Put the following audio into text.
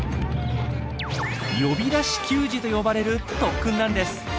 「呼び出し給餌」と呼ばれる特訓なんです。